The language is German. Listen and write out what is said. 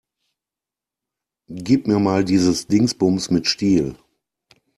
Gib mir mal dieses Dingsbums mit Stiel.